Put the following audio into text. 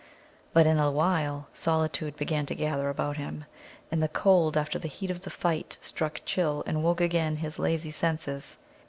But in a while solitude began to gather about him, and the cold after the heat of the fight struck chill and woke again his lazy senses.